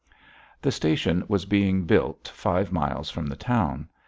The station was being built five miles from the town.